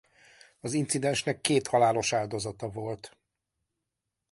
Az incidensnek két halálos áldozata volt.